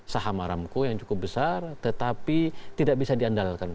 saham aramco yang cukup besar tetapi tidak bisa diandalkan